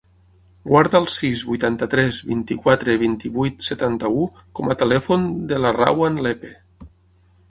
Guarda el sis, vuitanta-tres, vint-i-quatre, vint-i-vuit, setanta-u com a telèfon de la Rawan Lepe.